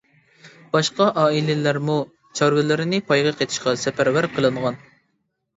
باشقا ئائىلىلەرمۇ چارۋىلىرىنى پايغا قېتىشقا سەپەرۋەر قىلىنغان.